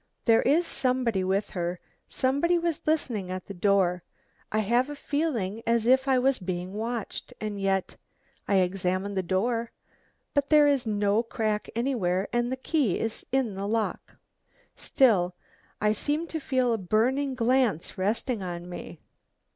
"There is somebody with her, somebody was listening at the door. I have a feeling as if I was being watched. And yet I examined the door, but there is no crack anywhere and the key is in the lock. Still I seem to feel a burning glance resting on me.